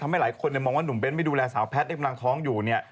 ทำให้หลายคนเนี่ยมองว่าหนุ่มเบ้นท์ไม่ดูแลสาวแพทย์ได้กำลังท้องอยู่เนี่ย